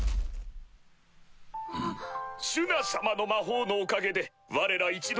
シュナ様の魔法のおかげでわれら一同